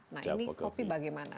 nah ini kopi bagaimana